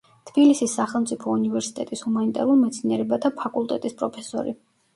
თბილისის სახელმწიფო უნივერსიტეტის ჰუმანიტარულ მეცნიერებათა ფაკულტეტის პროფესორი.